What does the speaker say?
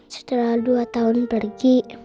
setelah dua tahun pergi